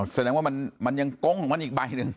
แสดงว่ามันยังโก๊งของมันอีกใบหนึ่ง